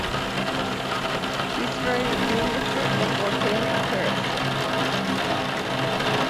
Israeli Ministry of Foreign Affairs